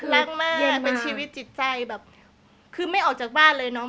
รักมากเป็นชีวิตจิตใจแบบคือไม่ออกจากบ้านเลยน้อง